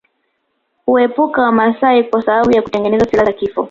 Huepukwa na Wamaasai kwa sababu ya kutengeneza silaha za kifo